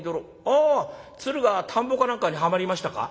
あ鶴が田んぼかなんかにはまりましたか？」。